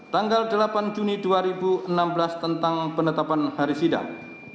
tanggal delapan juni dua ribu enam belas tentang penetapan hari sidang